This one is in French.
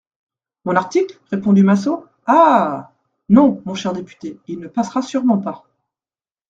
Mon article, répondit Massot, ah ! non, mon cher député, il ne passera sûrement pas.